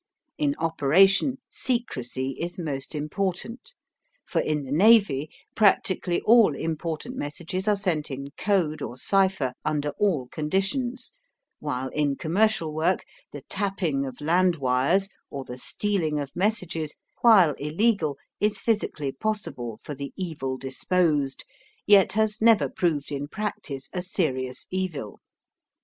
In operation secrecy is most important. For in the navy practically all important messages are sent in code or cipher under all conditions while in commercial work the tapping of land wires or the stealing of messages while illegal is physically possible for the evil disposed yet has never proved in practice a serious evil.